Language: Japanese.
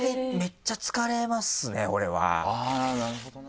あぁなるほどな。